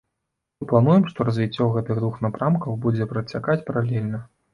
Мы плануем, што развіццё гэтых двух напрамкаў будзе працякаць паралельна.